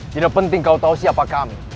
tidak penting kau tahu siapa kami